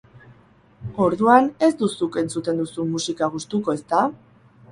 Orduan, ez du zuk entzuten duzun musika gustuko, ezta?